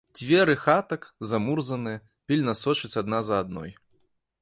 Дзверы хатак, замурзаныя, пільна сочаць адна за адной.